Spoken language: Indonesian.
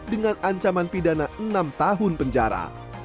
dengan ancaman pidana enam tahun penjara